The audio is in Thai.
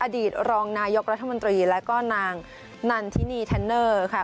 อดีตรองนายกรัฐมนตรีแล้วก็นางนันทินีแทนเนอร์ค่ะ